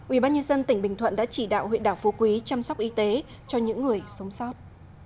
ubnd tỉnh bình thuận đã chỉ đạo huyện đảo phú quý chăm sóc y tế cho những người sống sót